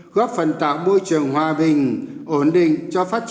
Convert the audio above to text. góp phần tạo môi trường hoa